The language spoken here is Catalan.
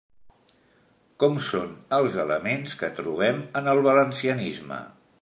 Com són els elements que trobem en el valencianisme?